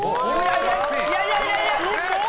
いやいやいや。